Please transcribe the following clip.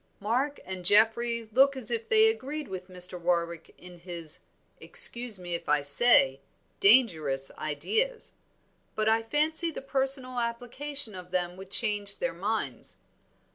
"Mark and Geoffrey look as if they agreed with Mr. Warwick in his excuse me if I say, dangerous ideas; but I fancy the personal application of them would change their minds.